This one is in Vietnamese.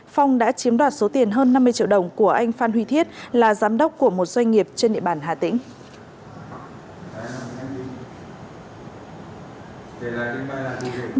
phong đã chiếm đoạt số tiền hơn năm mươi triệu đồng của anh phan huy thiết là giám đốc của một doanh nghiệp trên địa bàn hà tĩnh